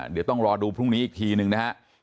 เดี๋ยวต้องรอดูพรุ่งนี้อีกทีหนึ่งนะครับ